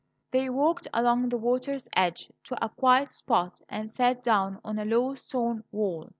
They walked along the water's edge to a quiet spot and sat down on a low stone wall.